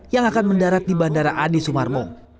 yang akan mendarat di bandara adi sumarmo